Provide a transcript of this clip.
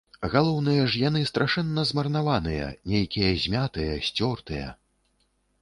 Галоўнае ж, яны страшэнна змарнаваныя, нейкія змятыя, сцёртыя.